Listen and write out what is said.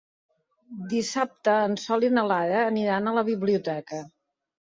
Dissabte en Sol i na Lara aniran a la biblioteca.